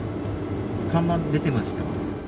看板出てました？